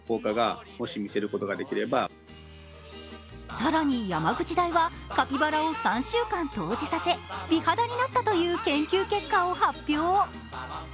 更に山口大は、カピバラを３週間湯治させ、美肌になったという研究結果を発表。